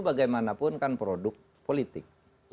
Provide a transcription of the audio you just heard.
bagaimanapun kan produk politik